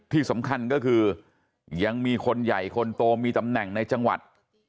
ที่สำคัญก็คือยังมีคนใหญ่คนโตมีตำแหน่งในจังหวัด